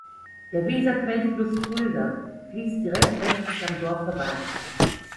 Der Weser-Quellfluss Fulda fließt direkt westlich am Dorf vorbei.